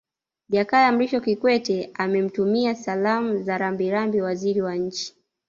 Jakaya Mrisho Kikwete amemtumia Salamu za Rambirambi Waziri wa Nchi